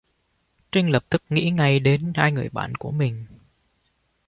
Triinh lập tức nghĩ ngay đến hai người bạn của mình